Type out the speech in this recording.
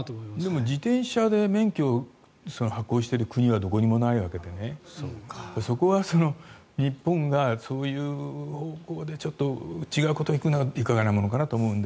でも、自転車で免許を発行している国はどこにもないわけでそこは日本がそういう方向で違うところに行くのはいかがなものかと思うので。